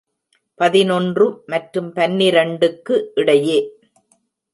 பதினொன்று மற்றும் பன்னிரண்டுக்கு இடையே?